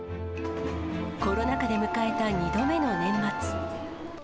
コロナ禍で迎えた２度目の年末。